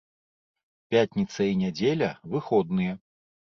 Пятніца і нядзеля выходныя.